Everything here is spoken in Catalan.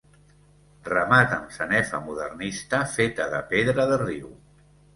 Remat amb sanefa modernista, feta de pedra de riu.